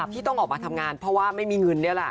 ที่ต้องออกมาทำงานเพราะว่าไม่มีเงินนี่แหละ